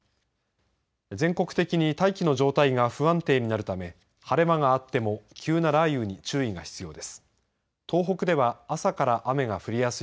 全国的に大気の状態が不安定になるため晴れ間があっても急な雷雨に注意が必要です。